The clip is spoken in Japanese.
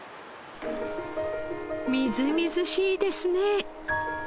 みずみずしいですね。